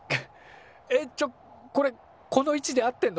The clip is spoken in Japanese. えっちょっこれこの位置で合ってんの？